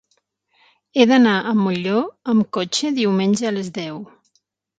He d'anar a Molló amb cotxe diumenge a les deu.